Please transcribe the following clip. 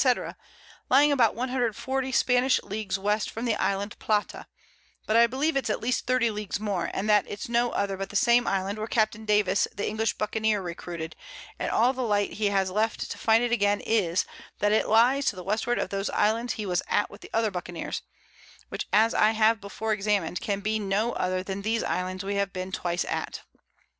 _ lying about 140 Spanish Leagues West from the Island Plata, but I believe it's at least 30 Leagues more, and that it's no other but the same Island, where Capt. Davis the English Buccaneer recruited, and all the Light he has left to find it again is, that it lies to the Westward of those Islands he was at with the other Buccaneers, which as I have before examin'd, can be no other than these Islands we have been twice at.